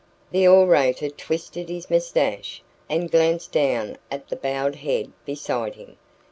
The orator twisted his moustache, and glanced down at the bowed head beside him.